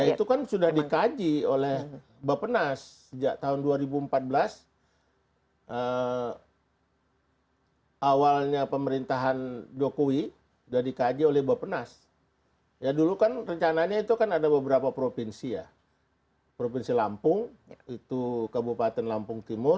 ya itu kan sudah dikaji oleh bapenas sejak tahun dua ribu empat belas awalnya pemerintahan jokowi sudah dikaji oleh bapak nas ya dulu kan rencananya itu kan ada beberapa provinsi ya provinsi lampung itu kabupaten lampung timur